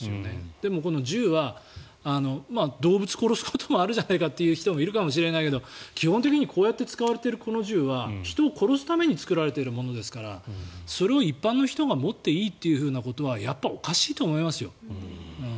でもこの銃は動物を殺すこともあるじゃないかって人もいるかもしれないけど基本的にこうやって使われてる銃は人を殺すために作られているものですからそれを一般の人が持っていいということはやっぱりおかしいと思いますよ。